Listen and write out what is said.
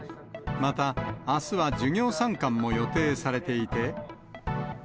また、あすは授業参観も予定されていて。